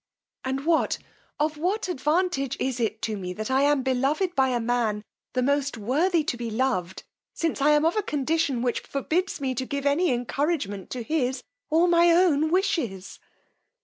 And what, of what advantage is it to me that I am beloved by a man the most worthy to be loved, since I am of a condition which forbids me to give any encouragement to his, or my own wishes!